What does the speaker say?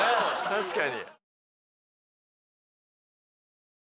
確かに。